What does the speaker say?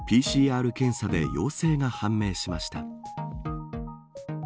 ＰＣＲ検査で陽性が判明しました。